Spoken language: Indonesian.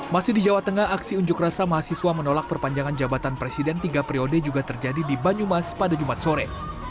masih di jawa tengah aksi unjuk rasa mahasiswa menolak perpanjangan jabatan presiden tiga periode juga terjadi di banyumas pada jumat sore